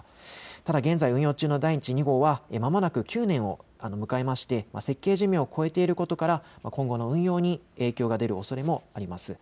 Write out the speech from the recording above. ただ現在運用中のだいち２号はまもなく９年を迎えて設計寿命を迎えていることから今後の運用に影響が出るおそれもあります。